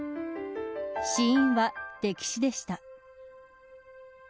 死因は溺死でした。